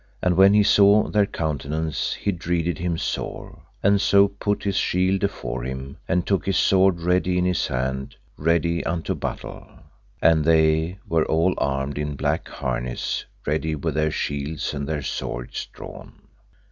And when he saw their countenance he dreaded him sore, and so put his shield afore him, and took his sword ready in his hand ready unto battle, and they were all armed in black harness ready with their shields and their swords drawn.